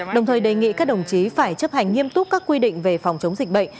đồng thời đề nghị các đồng chí phải chấp hành nghiêm túc các quy định về phòng chống dịch bệnh